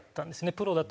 プロだと。